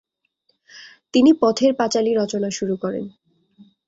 তিনি পথের পাঁচালী রচনা শুরু করেন।